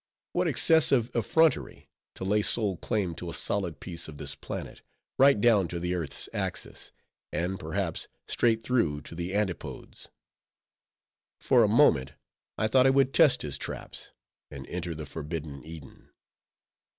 What excessive effrontery, to lay sole claim to a solid piece of this planet, right down to the earth's axis, and, perhaps, straight through to the antipodes! For a moment I thought I would test his traps, and enter the forbidden Eden.